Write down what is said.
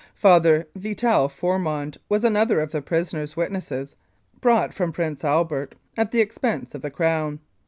Father Vital Fourmond was another of the prisoner's witnesses brought from Prince Albert at the expense of the Crown.